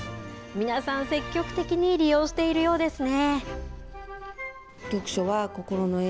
皆さん積極的に利用しているようですね。